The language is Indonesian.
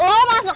udah udah masuk